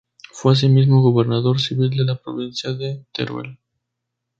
Fue asimismo Gobernador Civil de la provincia de Teruel.